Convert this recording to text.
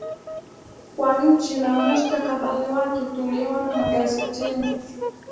kwa nchi na mustakabali wake Tuliona magazetini